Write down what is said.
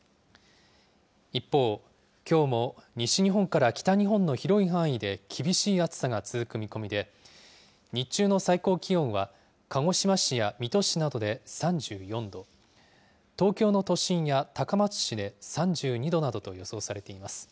一方、きょうも西日本から北日本の広い範囲で厳しい暑さが続く見込みで、日中の最高気温は鹿児島市や水戸市などで３４度、東京の都心や高松市で３２度などと予想されています。